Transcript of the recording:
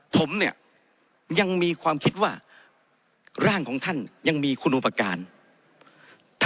ผมเนี่ยยังมีความคิดว่าร่างของท่านยังมีคุณอุปการณ์